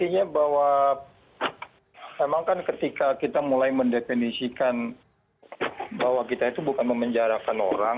artinya bahwa memang kan ketika kita mulai mendefinisikan bahwa kita itu bukan memenjarakan orang